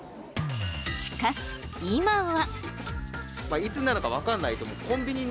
しかし今は。